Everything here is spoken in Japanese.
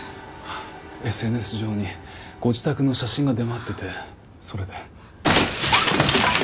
ＳＮＳ上にご自宅の写真が出回っててそれで。